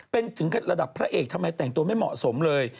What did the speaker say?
เป็นถึงระดับพระเอกทำไมแต่งตัวไม่เหมาะสมเลย